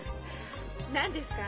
何ですか？